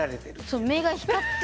そう目が光って。